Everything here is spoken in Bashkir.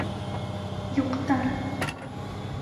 Юҡтар!